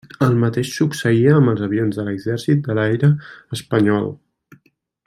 El mateix succeïa amb els avions de l'Exèrcit de l'Aire Espanyol.